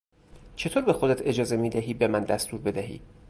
چطور به خودت اجازه میدهی به من دستور بدهی!